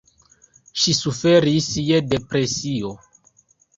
Ŝi suferis je depresio.